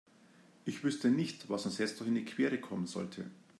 Ich wüsste nicht, was uns jetzt noch in die Quere kommen sollte.